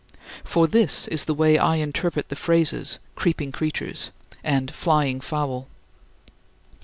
For this is the way I interpret the phrases "creeping creatures" and "flying fowl."